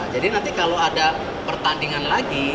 jadi nanti kalau ada pertandingan lagi